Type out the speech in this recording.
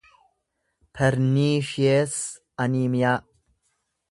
perniishiyees aniimiyaa